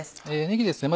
ねぎですね